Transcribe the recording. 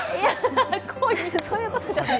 そういうことじゃない？